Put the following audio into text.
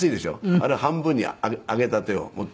あれを半分に揚げたてを持って。